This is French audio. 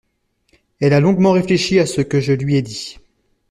Elle a longuement réfléchi à ce que je lui ai dit.